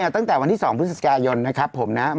ตั้งแต่วันที่๒พฤศจิกายนนะครับผมนะ